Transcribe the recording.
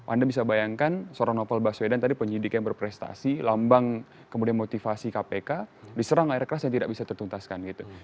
anda bisa bayangkan seorang novel baswedan tadi penyidik yang berprestasi lambang kemudian motivasi kpk diserang air keras yang tidak bisa tertuntaskan gitu